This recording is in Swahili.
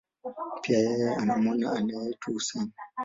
Pia, yeye ana mwana anayeitwa Hussein.